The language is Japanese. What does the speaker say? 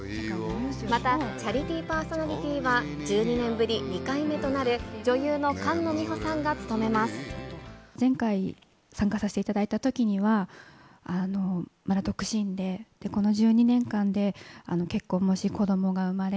またチャリティーパーソナリティーは、１２年ぶり２回目となる、女優の菅野美穂さんが務めま前回参加させていただいたときには、まだ独身で、この１２年間で結婚もし、子どもが産まれ。